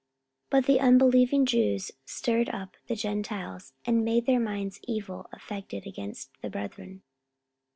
44:014:002 But the unbelieving Jews stirred up the Gentiles, and made their minds evil affected against the brethren.